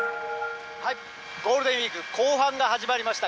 ゴールデンウィーク後半が始まりました。